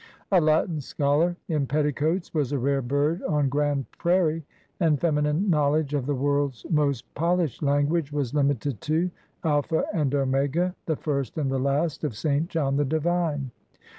A Latin scholar in petticoats was a rare bird on Grand Prairie, and feminine knowledge of the world's most polished language was limited to Alpha and Omega ''—the first and the last of St. John the Divine.